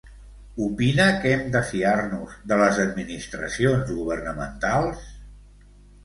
Opina que hem de fiar-nos de les administracions governamentals?